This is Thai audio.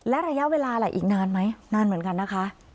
และระยะเวลาล่ะอีกนานไหมนานเหมือนกันนะคะ